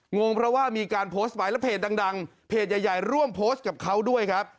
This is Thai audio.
งงเพราะว่ามีการโพสต์ไว้แล้วเพจดังเพจใหญ่ร่วมโพสต์กับเขาด้วยครับ